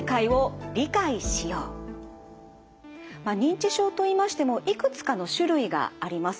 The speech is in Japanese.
まあ認知症といいましてもいくつかの種類があります。